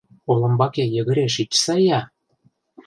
Олымбаке йыгыре шичса-я!